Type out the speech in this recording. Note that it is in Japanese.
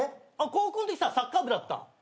高校んときさサッカー部だった。